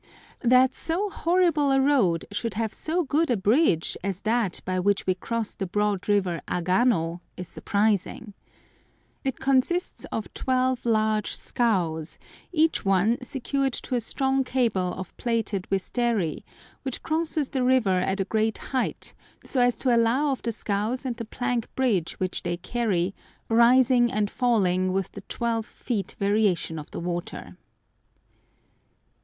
That so horrible a road should have so good a bridge as that by which we crossed the broad river Agano is surprising. It consists of twelve large scows, each one secured to a strong cable of plaited wistari, which crosses the river at a great height, so as to allow of the scows and the plank bridge which they carry rising and falling with the twelve feet variation of the water.